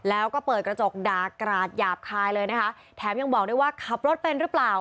แล้วก็เปิดกระจกด่ากราดหยาบคายเลยนะคะแถมยังบอกด้วยว่าขับรถเป็นหรือเปล่า